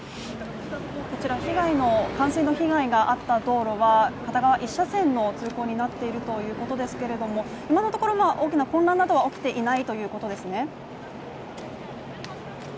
こちら冠水の被害があった道路は片側１車線の通行になっているということですけども今のところ大きな混乱などは起きていないということですね。